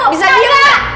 bisa diem gak